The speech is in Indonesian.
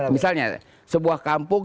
misalnya sebuah kampung